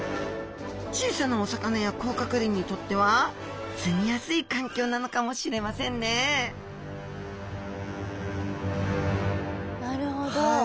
小さなお魚や甲殻類にとっては住みやすい環境なのかもしれませんねなるほど。